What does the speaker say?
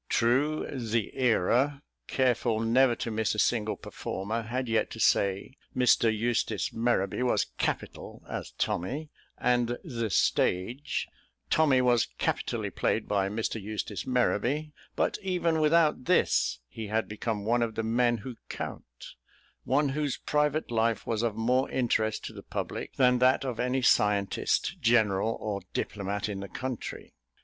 True, The Era, careful never to miss a single performer, had yet to say, "Mr. Eustace Merrowby was capital as Tommy," and The Stage, "Tommy was capitally played by Mr. Eustace Merrowby"; but even without this he had become one of the Men who Count one whose private life was of more interest to the public than that of any scientist, general or diplomat in the country.